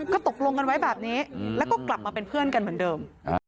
ก็ตกลงกันไว้แบบนี้แล้วก็กลับมาเป็นเพื่อนกันเหมือนเดิม